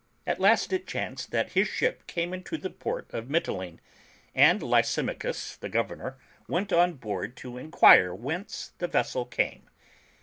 At last it chanced that his ship came into the port of Mitylene, and Lysimachus, the Governor, went on board to enquire whence the vessel came.